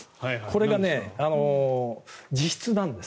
これが自筆なんです。